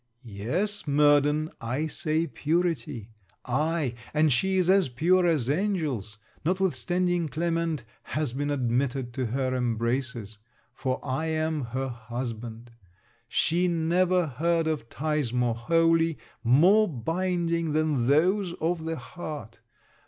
Yes, Murden, I say purity. Ay, and she is as pure as angels, notwithstanding Clement has been admitted to her embraces. For I am her husband. She never heard of ties more holy, more binding, than those of the heart.